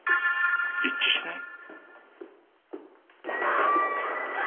一致しない！？